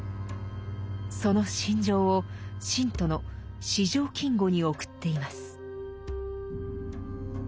その心情を信徒の四条金吾に送っています。